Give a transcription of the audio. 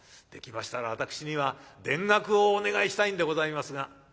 「できましたら私には田楽をお願いしたいんでございますが」。